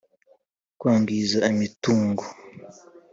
kwangiza imitungo.